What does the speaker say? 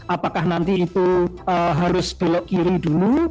apakah nanti itu harus belok kiri dulu